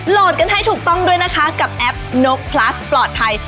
กันให้ถูกต้องด้วยนะคะกับแอปนกพลัสปลอดภัย